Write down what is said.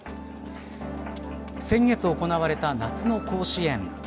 先月、行われた夏の甲子園。